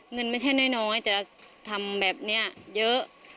เงินไม่ใช่น้อยจะทำแบบนี้เยอะ